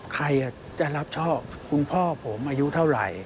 ใครจะรับชอบคุณพ่อผมอายุเท่าไหร่